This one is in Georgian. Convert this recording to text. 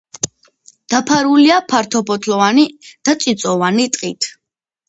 დაფარულია ფართოფოთლოვანი და წიწვოვანი ტყით.